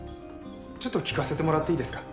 ちょっと聞かせてもらっていいですか？